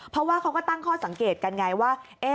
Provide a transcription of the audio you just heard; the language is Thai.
เพราะว่าเขาก็ตั้งข้อสังเกตกันไงว่า